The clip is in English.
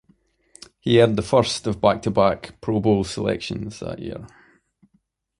He earned the first of back-to-back Pro Bowl selections that year.